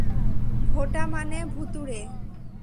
ভোটা মানে ভূতুড়ে।